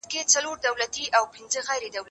زه پرون مېوې وخوړله،